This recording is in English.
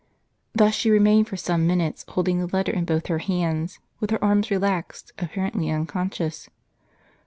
Thus she remained for some minutes, holding the letter in both her hands, with her arms relaxed, apparently unconscious.